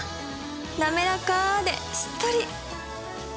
なめらかでしっとり！